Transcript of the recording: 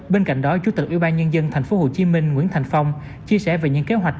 bên cạnh đó chủ tịch ủy ban nhân dân tp hcm nguyễn thành phong chia sẻ về những kế hoạch